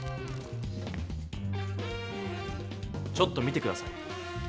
ちょっと見て下さい。